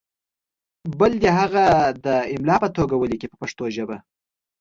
بل دې هغه د املا په توګه ولیکي په پښتو ژبه.